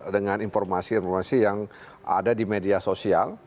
dengan informasi informasi yang ada di media sosial